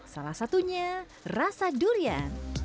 salah satunya rasa durian